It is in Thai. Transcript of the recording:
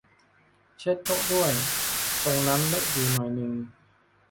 เช็ดโต๊ะด้วย ตรงนั้นเลอะอยู่หน่อยนึง